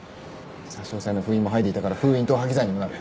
差し押さえの封印も剥いでいたから封印等破棄罪にもなる。